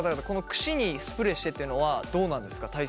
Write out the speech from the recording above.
この櫛にスプレーしてっていうのはどうなんですか？